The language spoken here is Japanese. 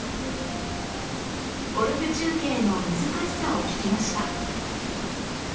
ゴルフ中継の難しさを聞きました